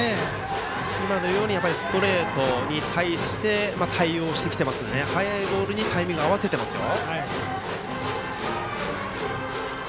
今のようにストレートに対して対応してきてますので速いボールにタイミングを合わせてますよ。